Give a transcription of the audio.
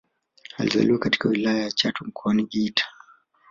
Alizaliwa katika Wilaya ya Chato Mkoani Geita